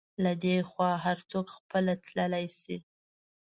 له دې خوا هر څوک خپله تللی شي.